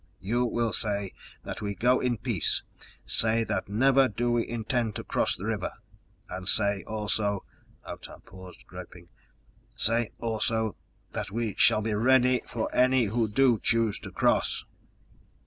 You will say that we go in peace. Say that never do we intend to cross the river. And say also" Otah paused, groping "say also that we shall be ready for any who do choose to cross!"